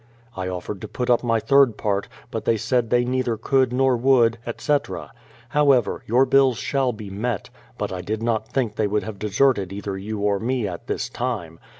I offered to put up my third part, but they said they neither could nor would, etc. However, your bills shall be met ; but I did not think they would have deserted either you or me at this time.